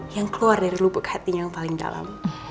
yang keluar dari lubuk hatinya yang paling dalam